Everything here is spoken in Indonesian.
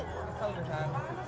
sering enggak cuma beberapa